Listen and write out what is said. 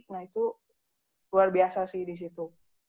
nah itu luar biasa sih di situ